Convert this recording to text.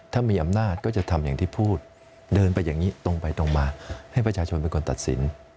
ถ้ามีอำนาจก็จะทำอย่างที่พูดเดินไปอย่างนี้ตรงไปตรงมาให้ประชาชนเป็นคนตัดสิน